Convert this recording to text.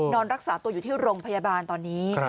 นอนรักษาตัวอยู่ที่โรงพยาบาลตอนนี้